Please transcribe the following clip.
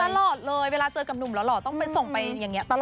ตลอดเลยเวลาเจอกับหนุ่มหล่อต้องไปส่งไปอย่างนี้ตลอด